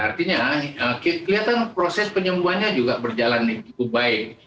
artinya kelihatan proses penyembuhannya juga berjalan cukup baik